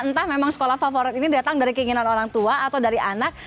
entah memang sekolah favorit ini datang dari keinginan orang tua atau dari anak